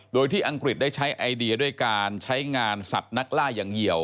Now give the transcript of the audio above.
โดยที่อังกฤษได้ใช้ไอเดียด้วยการใช้งานสัตว์นักล่าอย่างเหี่ยว